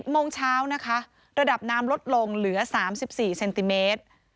โมงเช้านะคะระดับน้ำลดลงเหลือ๓๔เซนติเมตร